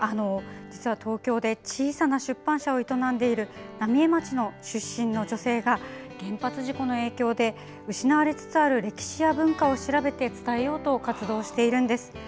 東京で小さな出版社を営んでいる浪江町出身の女性が原発事故の影響で失われつつある歴史や文化を調べて伝えようと活動しているんです。